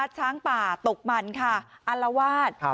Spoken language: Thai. ช้างป่าตกหมันอลวาส